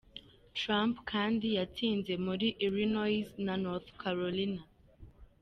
Trump kandi yatsinze muri Illinois na North Carolina.